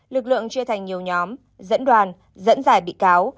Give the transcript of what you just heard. lực lượng chia thành nhiều nhóm dẫn đoàn dẫn dài bị cáo